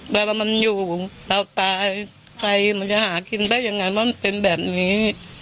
แบบว่ามันอยู่เราตายใครมันจะหากินได้ยังไงว่ามันเป็นแบบนี้